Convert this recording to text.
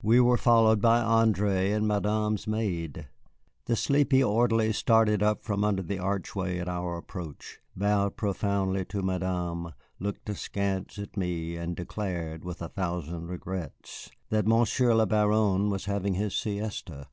We were followed by André and Madame's maid. The sleepy orderly started up from under the archway at our approach, bowed profoundly to Madame, looked askance at me, and declared, with a thousand regrets, that Monsieur le Baron was having his siesta.